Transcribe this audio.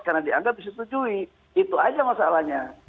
karena dianggap disetujui itu saja masalahnya